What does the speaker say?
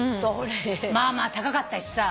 まあまあ高かったしさ。